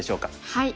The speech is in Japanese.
はい。